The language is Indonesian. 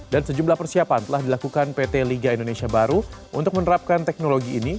dan sejumlah persiapan telah dilakukan pt liga indonesia baru untuk menerapkan teknologi ini